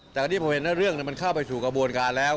แต่อันนี้ผมเห็นเรื่องมันเข้าไปสู่กระบวนการแล้ว